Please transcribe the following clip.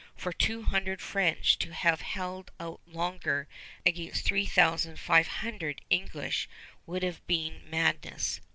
For two hundred French to have held out longer against three thousand five hundred English would have been madness.